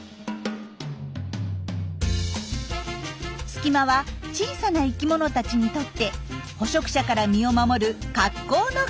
隙間は小さな生きものたちにとって捕食者から身を守る格好の隠れが。